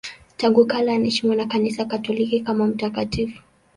Tangu kale anaheshimiwa na Kanisa Katoliki kama mtakatifu.